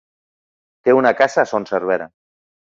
Té una casa a Son Servera.